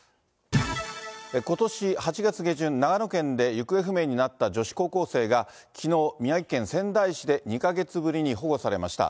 ことし８月下旬、長野県で行方不明になった女子高校生が、きのう、宮城県仙台市で２か月ぶりに保護されました。